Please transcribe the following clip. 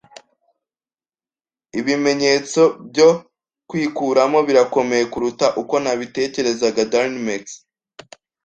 Ibimenyetso byo kwikuramo birakomeye kuruta uko nabitekerezaga. (darinmex)